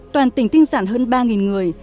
toàn tỉnh tinh giản hơn ba người